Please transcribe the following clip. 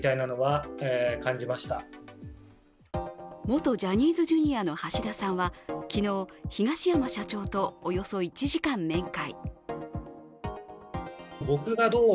元ジャニーズＪｒ．の橋田さんは昨日東山社長とおよそ１時間面会。